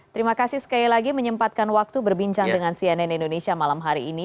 terima kasih sekali lagi menyempatkan waktu berbincang dengan cnn indonesia malam hari ini